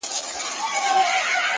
• چي په کور کي د بادار وي ټول ښاغلي ,